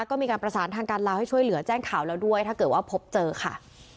ก็มีการประสานทางการลาวให้ช่วยเหลือแจ้งข่าวแล้วด้วยถ้าเกิดว่าพบเจอค่ะ